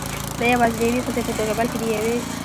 نه یوازې د یوې ښځې په توګه، بلکې د یوې .